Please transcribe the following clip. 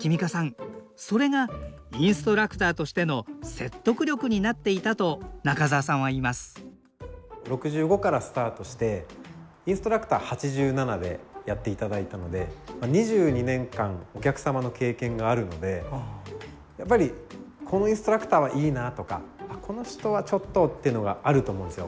それがインストラクターとしての説得力になっていたと中沢さんは言います６５からスタートしてインストラクター８７でやって頂いたのでまあ２２年間お客様の経験があるのでやっぱり「このインストラクターはいいな」とか「あこの人はちょっと」っていうのがあると思うんですよ。